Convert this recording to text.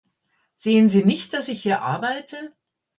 Sehen Sie nicht, dass ich hier arbeite?